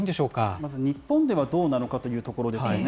まず、日本ではどうなのかというところですよね。